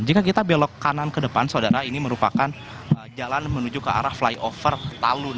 jika kita belok kanan ke depan saudara ini merupakan jalan menuju ke arah flyover talun